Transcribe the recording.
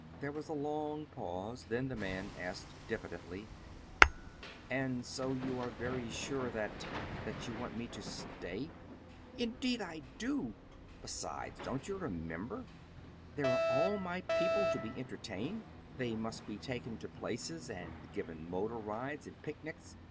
There was a long pause, then the man asked diffidently: "And so you are very sure that that you want me to stay?" "Indeed I do! Besides, don't you remember? there are all my people to be entertained. They must be taken to places, and given motor rides and picnics.